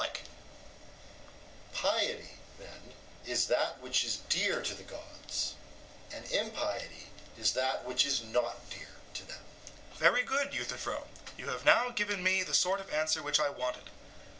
EUTHYPHRO: Piety, then, is that which is dear to the gods, and impiety is that which is not dear to them. SOCRATES: Very good, Euthyphro; you have now given me the sort of answer which I wanted.